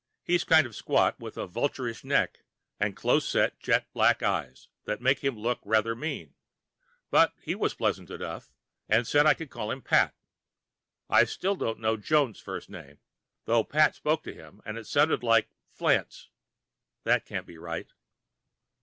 He is kind of squat, with a vulturish neck and close set jet black eyes that make him look rather mean, but he was pleasant enough, and said I could call him Pat. I still don't know Jones' first name, though Pat spoke to him, and it sounded like Flants. That can't be right.